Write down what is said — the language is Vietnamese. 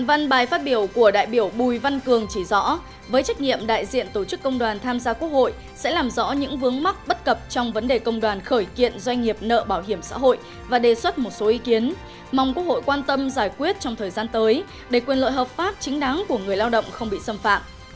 bài phát biểu của đại biểu bùi văn cường chỉ rõ với trách nhiệm đại diện tổ chức công đoàn tham gia quốc hội sẽ làm rõ những vướng mắc bất cập trong vấn đề công đoàn khởi kiện doanh nghiệp nợ bảo hiểm xã hội và đề xuất một số ý kiến mong quốc hội quan tâm giải quyết trong thời gian tới để quyền lợi hợp pháp chính đáng của người lao động không bị xâm phạm